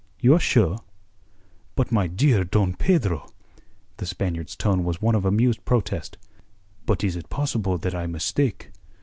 "You are sure?" "But my dear Don Pedro!" The Spaniard's tone was one of amused protest. "But is it possible that I mistake?